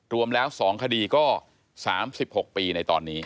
รวมแล้ว๒คดีก็๓๖ปีในตอนนี้